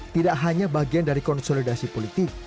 tidak hanya bagian dari konsolidasi politik